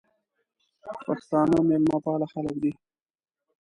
پښتانه مېلمه پاله خلګ دي.